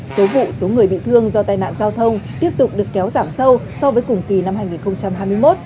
số vụ số người bị thương do tai nạn giao thông tiếp tục được kéo giảm sâu so với cùng kỳ năm hai nghìn hai mươi một